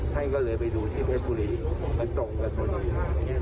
ท่านก็เลยไปดูที่เผ็ดภูรีมันตรงกับภูรีอย่างเงี้ยนะฮะ